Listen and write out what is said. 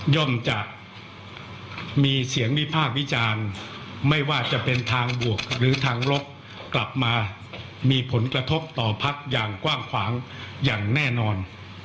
จะมีเสียงวิพากษ์วิจารณ์ไม่ว่าจะเป็นทางบวกหรือทางลบกลับมามีผลกระทบต่อพักอย่างกว้างขวางอย่างแน่นอน